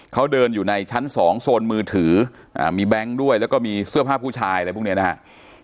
เขาเดินอยู่ในชั้น๒โซนมือถือมีแบงค์ด้วยแล้วก็มีเสื้อผ้าผู้ชายอะไรพวกนี้นะครับ